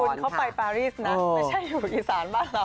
คุณเขาไปปารีสนะไม่ใช่อยู่อีสานบ้านเรา